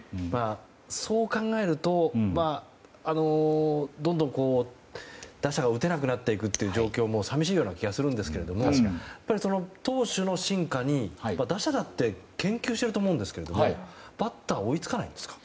そう考えるとどんどん打者が打てなくなっていく状況も寂しいような気がするんですが投手の進化に、打者だって研究していると思うんですけどバッター追いつかないんですか？